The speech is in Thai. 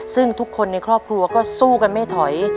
ซึ่งทุกคนในครอบครัวก็สู้กันไม่ถอย